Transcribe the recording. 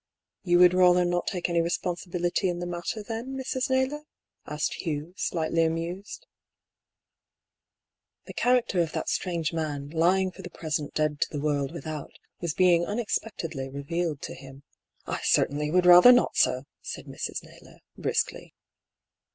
"You would rather not take any responsibility in the matter then, Mrs. Naylor ?" asked Hugh, slightly amused. 6 DR. PAULL'S THEORY. The character of that strange man, lying for the present dead to the world without, was being unex pectedly revealed to him. " I certainly would rather not, sir," said Mrs. Naylor, briskly.